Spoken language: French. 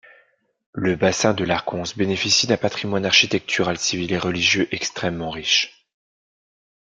Le bassin de l'Arconce bénéficie d'un patrimoine architectural civil et religieux extrêmement riche.